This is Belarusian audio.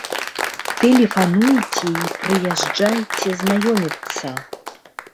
Тэлефануйце і прыязджайце знаёміцца!